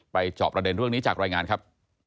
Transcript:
จอบประเด็นเรื่องนี้จากรายงานครับ